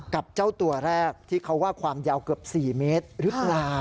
กับเจ้าตัวแรกที่เขาว่าความยาวเกือบ๔เมตรหรือเปล่า